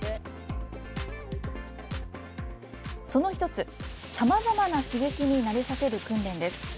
その１つ、さまざまな刺激に慣れさせる訓練です。